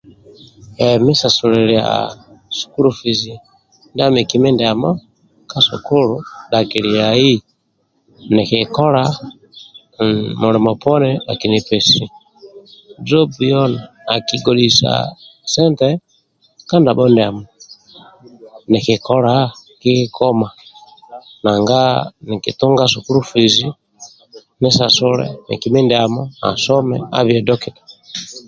Emi sasulilia sukulu fizi ndia miki mindiamo ka sukulu dhakilai niki kola mulimo poni akinipesia jobu yona akigodhisa sente ka ndabho ndiamo nikikola kikikoma nanga nkitunga sukulu fizi nisasule miki mindiamo asome abhe dokita